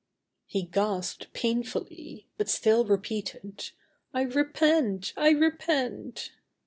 He gasped painfully, but still repeated: "I repent! I repent!"